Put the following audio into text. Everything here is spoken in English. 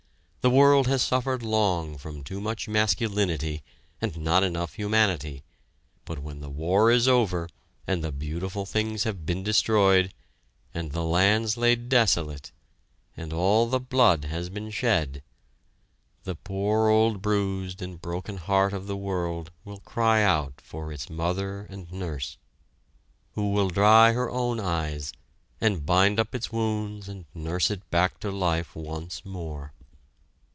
The world has suffered long from too much masculinity and not enough humanity, but when the war is over, and the beautiful things have been destroyed, and the lands laid desolate, and all the blood has been shed, the poor old bruised and broken heart of the world will cry out for its mother and nurse, who will dry her own eyes, and bind up its wounds and nurse it back to life once more.